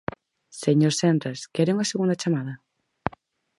Señor Senras, ¿quere unha segunda chamada?